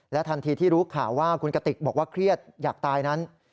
ทันทีที่รู้ข่าวว่าคุณกติกบอกว่าเครียดอยากตายนั้น